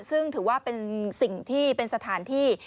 ซึ่งถือว่าเป็นสถานที่